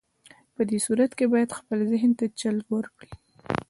په دې صورت کې بايد خپل ذهن ته چل ورکړئ.